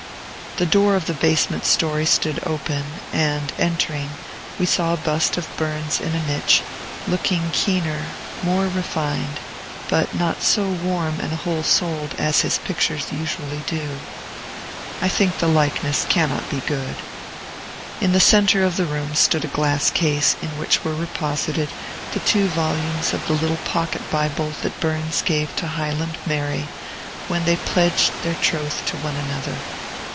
The door of the basement story stood open; and, entering, we saw a bust of Burns in a niche, looking keener, more refined, but not so warm and whole souled as his pictures usually do. I think the likeness cannot be good. In the centre of the room stood a glass case, in which were reposited the two volumes of the little Pocket Bible that Burns gave to Highland Mary, when they pledged their troth to one another.